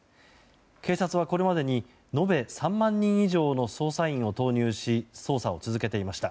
警察は、これまでに延べ３万人以上の捜査員を投入し捜査を続けていました。